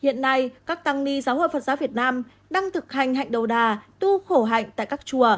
hiện nay các tăng ni giáo hội phật giáo việt nam đang thực hành hạnh đồ đà tu khổ hạnh tại các chùa